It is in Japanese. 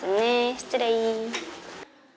失礼。